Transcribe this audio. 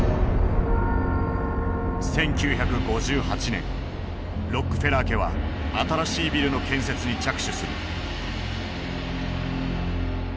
１９５８年ロックフェラー家は新しいビルの建設に着手する。